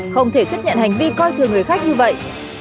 không thể chấp nhận hành vi coi thường người khác như vậy